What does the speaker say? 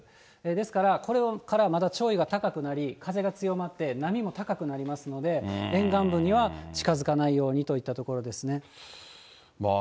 ですから、これからまだ潮位が高くなり、風が強まって、波も高くなりますので、沿岸部には近づかないようにといったところですね。